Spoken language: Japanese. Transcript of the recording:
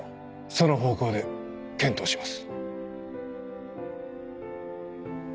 その方向で検討します。